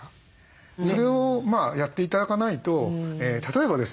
それをやって頂かないと例えばですね